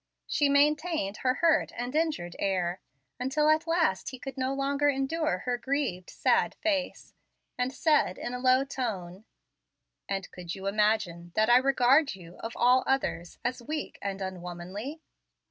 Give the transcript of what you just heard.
She maintained her hurt and injured air, until at last he could no longer endure her grieved, sad face, and said, in a low tone, "And could you imagine that I regard you, of all others, as weak and un womanly?"